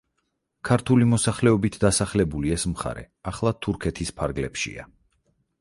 ქართული მოსახლეობით დასახლებული ეს მხარე ახლა თურქეთის ფარგლებშია.